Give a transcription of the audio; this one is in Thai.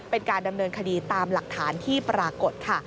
เป็นการดำเนินคดีตามหลักฐานที่ปรากฏค่ะ